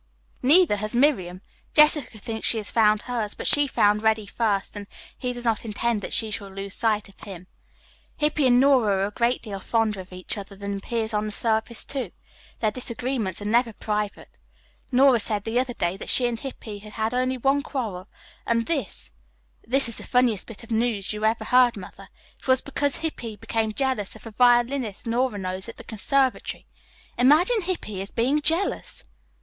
Neither has Miriam. Jessica thinks she has found hers, but she found Reddy first, and he does not intend that she shall lose sight of him. Hippy and Nora are a great deal fonder of each other than appears on the surface, too. Their disagreements are never private. Nora said the other day that she and Hippy had had only one quarrel, and this is the funniest bit of news you ever heard, Mother it was because Hippy became jealous of a violinist Nora knows at the conservatory. Imagine Hippy as being jealous!"